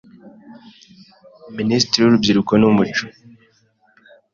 Minisitiri w’Urubyiruko n’umuco